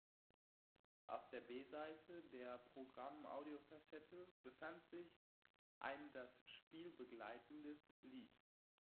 Auf der B-Seite der Programm-Audiocassette befand sich ein das Spiel begleitendes Lied.